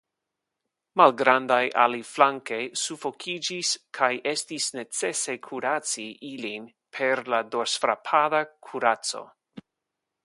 Malgrandaj aliflanke sufokiĝis, kaj estis necese kuraci ilin per la dorsfrapada kuraco.